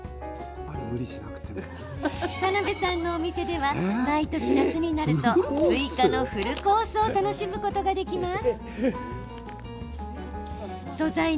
田辺さんのお店では毎年夏になるとスイカのフルコースを楽しむことができます。